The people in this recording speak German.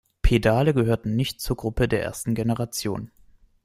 Pedale gehörten nicht zur Gruppe der ersten Generation.